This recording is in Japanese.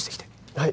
はい